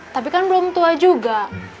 tapi kan belum tua juga